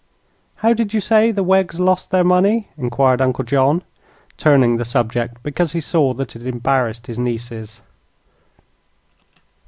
"How did you say the Weggs lost their money?" inquired Uncle John, turning the subject because he saw that it embarrassed his nieces.